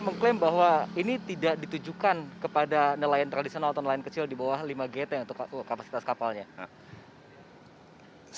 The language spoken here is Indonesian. mengklaim bahwa ini tidak ditujukan kepada nelayan tradisional atau nelayan kecil di bawah lima gt untuk kapasitas kapalnya